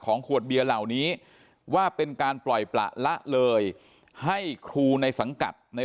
ขวดเบียร์เหล่านี้ว่าเป็นการปล่อยประละเลยให้ครูในสังกัดใน